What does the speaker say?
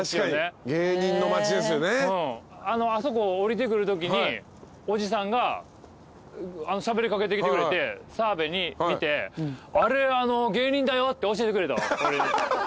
あそこ下りてくるときにおじさんがしゃべり掛けてきてくれて澤部見て。って教えてくれたわ俺に。